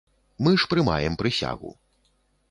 Мы ж прымаем прысягу.